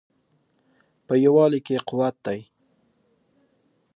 په یووالي کې قوت دی